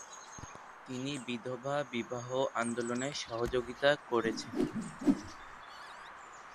তিনি বিধবা বিবাহ আন্দোলনে সহযোগিতা করেছেন।